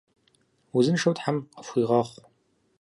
Узыншэу тхьэм къыфхуигъэхъу!